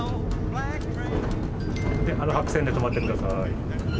であの白線で止まってください。